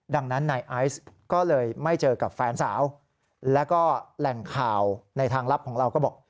ดังนั้นนายไอซ์ก็เลยไม่เจอกับแฟนสาวแล้วก็แหล่งข่าวในทางลับของเราก็บอก